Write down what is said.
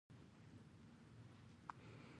علم د راتلونکي نسل لپاره پانګه ده.